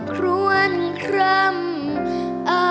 ควรคำ